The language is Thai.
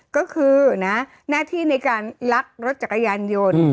ก็คือหน้าที่ในการลักรถจักรยานยนต์